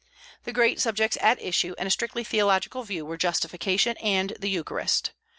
The great subjects at issue, in a strictly theological view, were Justification and the Eucharist.